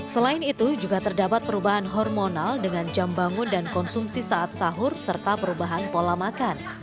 selain itu juga terdapat perubahan hormonal dengan jam bangun dan konsumsi saat sahur serta perubahan pola makan